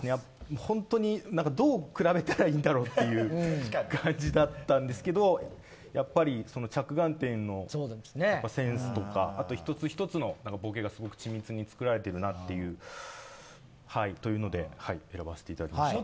本当にどう比べたらいいんだろうという感じだったんですけどやっぱり、着眼点のセンスとか一つ一つのボケが緻密に作られているというので選ばせていただきました。